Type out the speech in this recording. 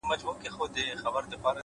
پوهه د ذهن بندیزونه ماتوي’